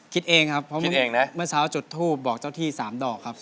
คิดเองครับเมื่อเช้าจุดทูบบอกเจ้าที่สามดอกครับ